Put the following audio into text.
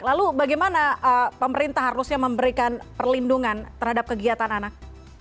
lalu bagaimana pemerintah harusnya memberikan perlindungan terhadap kegiatan anak